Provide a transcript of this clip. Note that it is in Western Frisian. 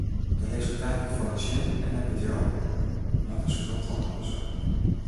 De resultaten falle tsjin en it bedriuw moat in skuld ôflosse.